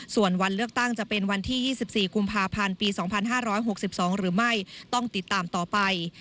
ส่วนวันเลือกตั้งจะเป็นวันที่๒๔กุมภาพันธ์ปี๒๕๖๒หรือไม่ต้องติดตามต่อไป